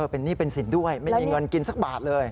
เป็นหนี้เป็นสินด้วยไม่มีเงินกินสักบาทเลย